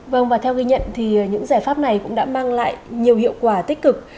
vâng và theo ghi nhận thì những giải pháp này cũng đã mang lại nhiều hiệu quả tích cực